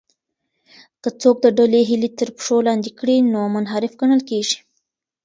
که څوک د ډلې هیلې تر پښو لاندې کړي نو منحرف ګڼل کیږي.